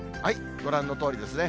ご覧のとおりですね。